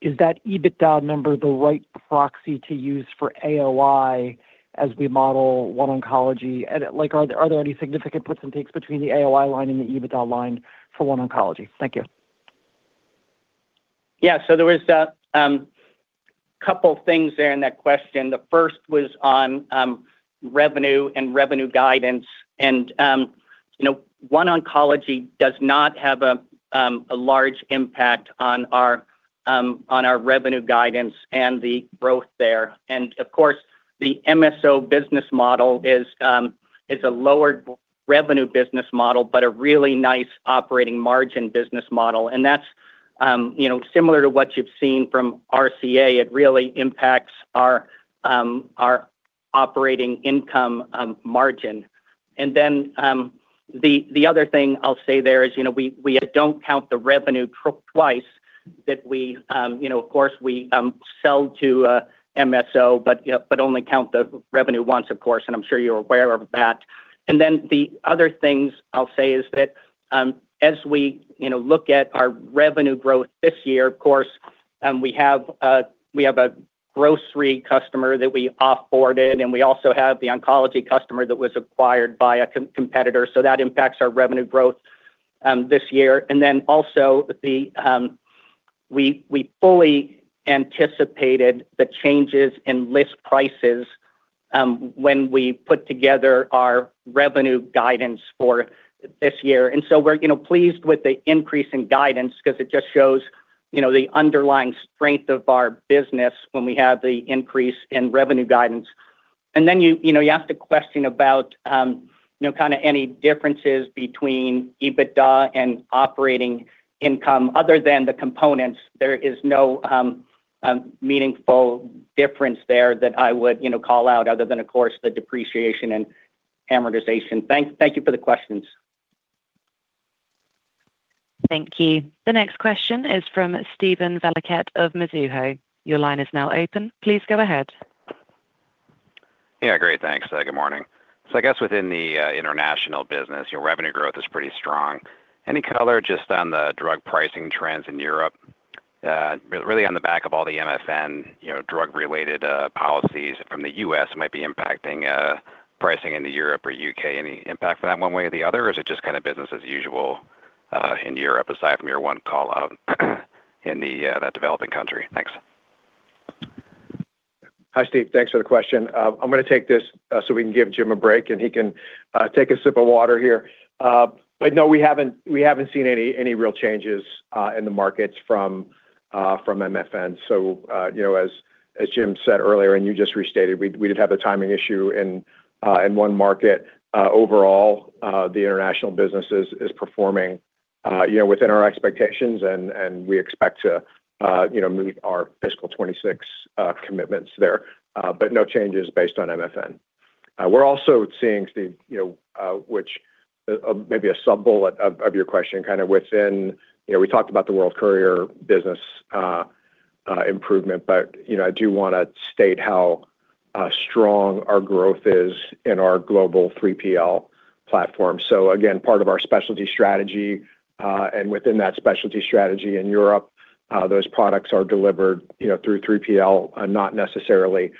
Is that EBITDA number the right proxy to use for AOI as we model OneOncology? And, like, are there, are there any significant puts and takes between the AOI line and the EBITDA line for OneOncology? Thank you. Yeah, so there was a couple things there in that question. The first was on revenue and revenue guidance, and you know, OneOncology does not have a large impact on our revenue guidance and the growth there. And of course, the MSO business model is, it's a lower revenue business model, but a really nice operating margin business model, and that's, you know, similar to what you've seen from RCA, it really impacts our operating income margin. And then, the other thing I'll say there is, you know, we don't count the revenue twice, that we, you know, of course, we sell to MSO, but only count the revenue once, of course, and I'm sure you're aware of that. And then the other things I'll say is that, as we, you know, look at our revenue growth this year, of course, we have a grocery customer that we off-boarded, and we also have the oncology customer that was acquired by a competitor, so that impacts our revenue growth this year. And then also we fully anticipated the changes in list prices, when we put together our revenue guidance for this year. And so we're, you know, pleased with the increase in guidance 'cause it just shows, you know, the underlying strength of our business when we have the increase in revenue guidance. And then you know, you asked a question about, you know, kinda any differences between EBITDA and operating income. Other than the components, there is no meaningful difference there that I would, you know, call out, other than, of course, the depreciation and amortization. Thank you for the questions. Thank you. The next question is from Steven Valiquette of Mizuho. Your line is now open. Please go ahead. Yeah, great. Thanks. Good morning. So I guess within the international business, your revenue growth is pretty strong. Any color just on the drug pricing trends in Europe, really on the back of all the MFN, you know, drug-related policies from the U.S. might be impacting pricing in the Europe or U.K.? Any impact for that one way or the other, or is it just kinda business as usual in Europe, aside from your one call-out in that developing country? Thanks. Hi, Steve. Thanks for the question. I'm gonna take this, so we can give Jim a break, and he can take a sip of water here. But no, we haven't seen any real changes in the markets from MFN. So, you know, as Jim said earlier, and you just restated, we did have a timing issue in one market. Overall, the international business is performing, you know, within our expectations, and we expect to, you know, meet our fiscal 26 commitments there, but no changes based on MFN. We're also seeing, Steve, you know, which maybe a sub-bullet of your question, kind of within... You know, we talked about the World Courier business improvement, but, you know, I do wanna state how strong our growth is in our global 3PL platform. So again, part of our specialty strategy, and within that specialty strategy in Europe, those products are delivered, you know, through 3PL, not necessarily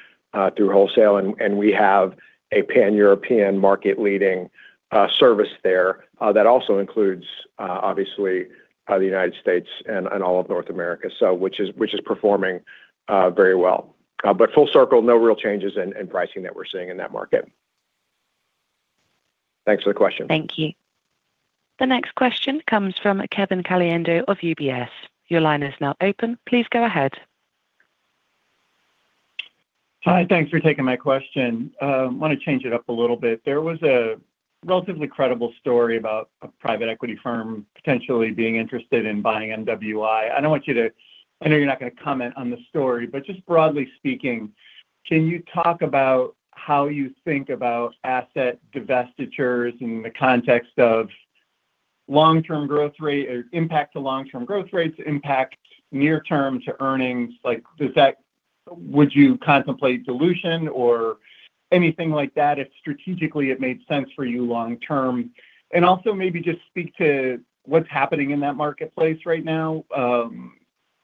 through wholesale. And we have a Pan-European market-leading service there that also includes, obviously, the United States and all of North America, so which is performing very well. But full circle, no real changes in pricing that we're seeing in that market. Thanks for the question. Thank you. The next question comes from Kevin Caliendo of UBS. Your line is now open. Please go ahead. Hi, thanks for taking my question. Wanna change it up a little bit. There was a relatively credible story about a private equity firm potentially being interested in buying MWI. I don't want you to-- I know you're not gonna comment on the story, but just broadly speaking, can you talk about how you think about asset divestitures in the context of long-term growth rate or impact to long-term growth rates, impact near term to earnings? Like, does that-- Would you contemplate dilution or anything like that if strategically it made sense for you long term? And also maybe just speak to what's happening in that marketplace right now,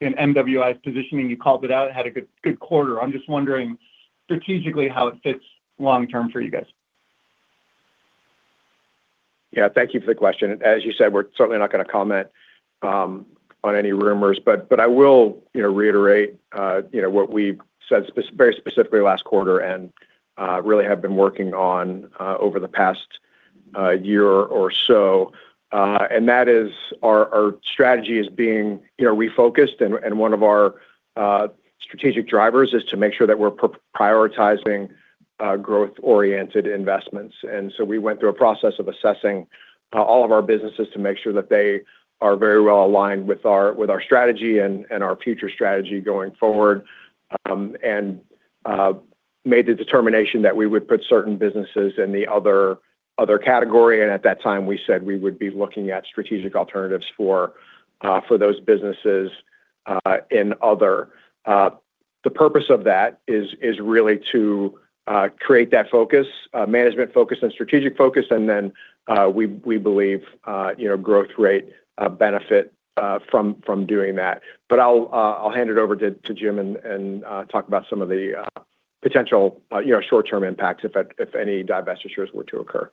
in MWI's positioning. You called it out, had a good, good quarter. I'm just wondering, strategically, how it fits long term for you guys. Yeah, thank you for the question. As you said, we're certainly not gonna comment on any rumors, but I will, you know, reiterate, you know, what we said very specifically last quarter and really have been working on over the past year or so. And that is our strategy is being, you know, refocused, and one of our strategic drivers is to make sure that we're prioritizing growth-oriented investments. And so we went through a process of assessing all of our businesses to make sure that they are very well aligned with our strategy and our future strategy going forward, and made the determination that we would put certain businesses in the other category. At that time, we said we would be looking at strategic alternatives for those businesses. The purpose of that is really to create that focus, management focus and strategic focus, and then we believe you know growth rate benefit from doing that. But I'll hand it over to Jim and talk about some of the potential you know short-term impacts if any divestitures were to occur.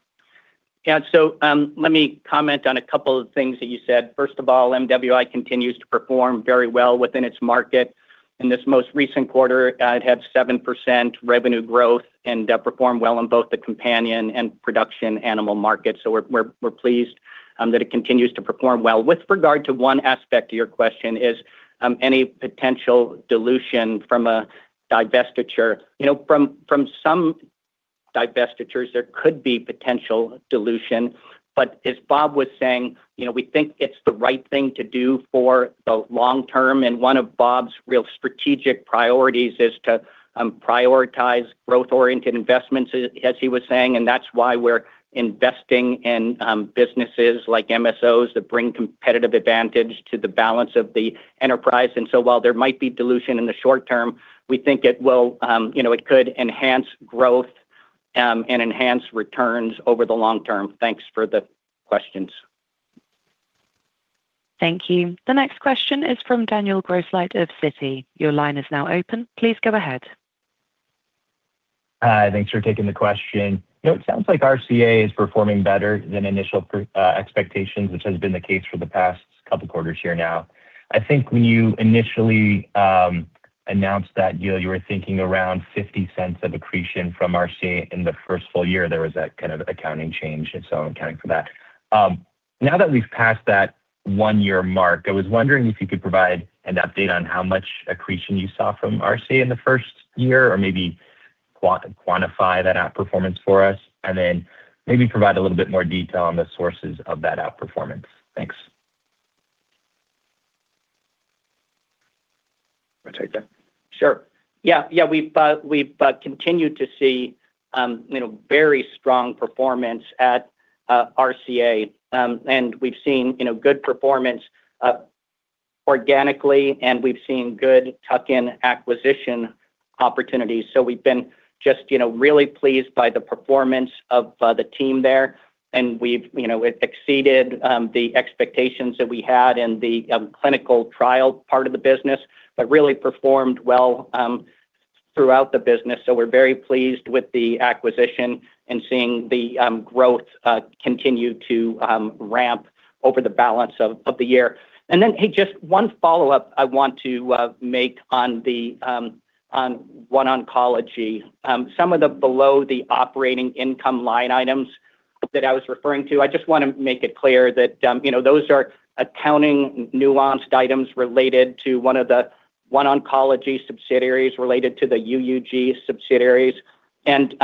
Yeah, so, let me comment on a couple of things that you said. First of all, MWI continues to perform very well within its market. In this most recent quarter, it had 7% revenue growth and performed well in both the companion and production animal market. So we're pleased that it continues to perform well. With regard to one aspect of your question is any potential dilution from a divestiture. You know, from some divestitures, there could be potential dilution. But as Bob was saying, you know, we think it's the right thing to do for the long term. And one of Bob's real strategic priorities is to prioritize growth-oriented investments, as he was saying, and that's why we're investing in businesses like MSOs that bring competitive advantage to the balance of the enterprise. While there might be dilution in the short term, we think it will, you know, it could enhance growth, and enhance returns over the long term. Thanks for the questions. Thank you. The next question is from Daniel Grosslight of Citi. Your line is now open. Please go ahead. Thanks for taking the question. You know, it sounds like RCA is performing better than initial expectations, which has been the case for the past couple quarters here now. I think when you initially announced that, you know, you were thinking around $0.50 of accretion from RCA in the first full year, there was that kind of accounting change, and so I'm accounting for that. Now that we've passed that one-year mark, I was wondering if you could provide an update on how much accretion you saw from RCA in the first year, or maybe quantify that outperformance for us, and then maybe provide a little bit more detail on the sources of that outperformance. Thanks. Want to take that? Sure. Yeah, yeah, we've continued to see, you know, very strong performance at RCA. And we've seen, you know, good performance organically, and we've seen good tuck-in acquisition opportunities. So we've been just, you know, really pleased by the performance of the team there, and, you know, it exceeded the expectations that we had in the clinical trial part of the business, but really performed well throughout the business. So we're very pleased with the acquisition and seeing the growth continue to ramp over the balance of the year. And then, hey, just one follow-up I want to make on OneOncology. Some of the below-the-operating-income line items that I was referring to, I just wanna make it clear that, you know, those are accounting nuanced items related to one of the OneOncology subsidiaries related to the UUG subsidiaries. And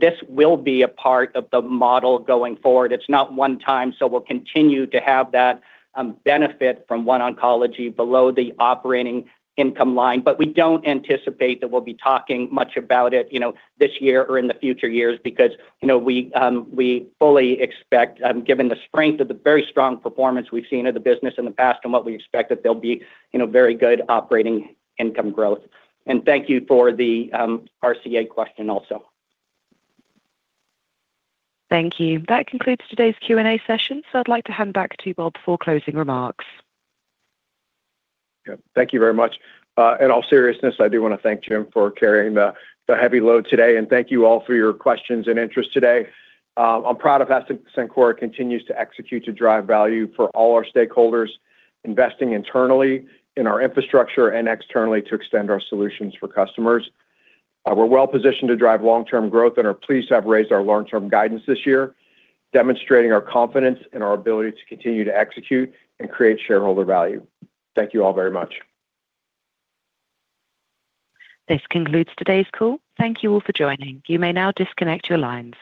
this will be a part of the model going forward. It's not one time, so we'll continue to have that benefit from OneOncology below the operating income line. But we don't anticipate that we'll be talking much about it, you know, this year or in the future years because, you know, we fully expect, given the strength of the very strong performance we've seen of the business in the past and what we expect, that there'll be, you know, very good operating income growth. And thank you for the RCA question also. Thank you. That concludes today's Q&A session, so I'd like to hand back to you, Bob, for closing remarks. Yeah. Thank you very much. In all seriousness, I do wanna thank Jim for carrying the heavy load today, and thank you all for your questions and interest today. I'm proud of how Cencora continues to execute to drive value for all our stakeholders, investing internally in our infrastructure and externally to extend our solutions for customers. We're well positioned to drive long-term growth and are pleased to have raised our long-term guidance this year, demonstrating our confidence in our ability to continue to execute and create shareholder value. Thank you all very much. This concludes today's call. Thank you all for joining. You may now disconnect your lines.